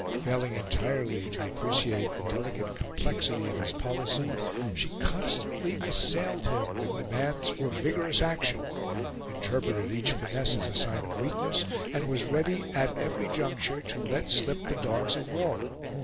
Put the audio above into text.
Failing entirely to appreciate the delicate complexity of his policy, she constantly assailed him with demands for vigorous action, interpreted each finesse as a sign of weakness, and was ready at every juncture to let slip the dogs of war.